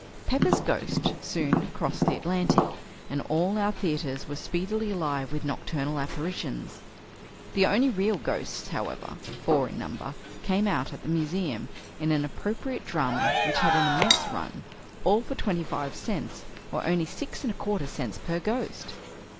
"Pepper's Ghost" soon crossed the Atlantic, and all our theatres were speedily alive with nocturnal apparitions. The only real ghosts, however four in number came out at the Museum, in an appropriate drama, which had an immense run "all for twenty five cents," or only six and a quarter cents per ghost!